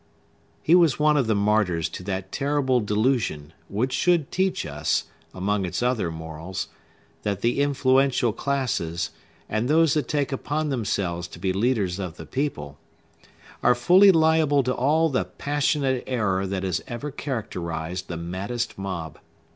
He was one of the martyrs to that terrible delusion, which should teach us, among its other morals, that the influential classes, and those who take upon themselves to be leaders of the people, are fully liable to all the passionate error that has ever characterized the maddest mob.